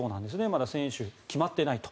まだ選手、決まっていないと。